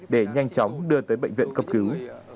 để nhanh chóng đưa tới bệnh viện cấp cứu